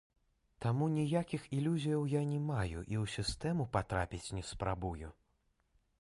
Таму ніякіх ілюзіяў я не маю і ў сістэму патрапіць не спрабую.